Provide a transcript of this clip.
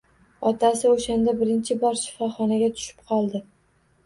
Otasi o`shanda birinchi bor shifoxonaga tushib qoldi